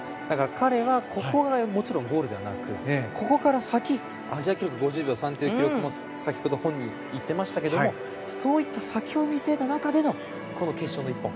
彼はここがもちろんゴールではなくてここから先、アジア記録５０秒３という記録も先ほど本人言っていましたけども先を見据えた中でのこの決勝１本。